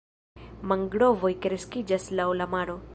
Mangrovoj kreskiĝas laŭ la maro.